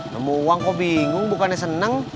nemu uang kok bingung bukannya senang